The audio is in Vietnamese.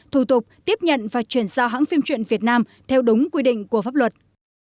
thủ tục tiếp nhận và chuyển giao hãng phim truyện việt nam theo đúng quy định của pháp luật